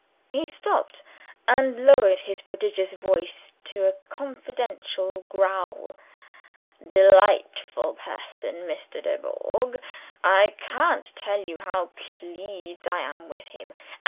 He stopped, and lowered his prodigious voice to a confidential growl. "Delightful person, Mr. Dubourg. I can't tell you how pleased I am with him.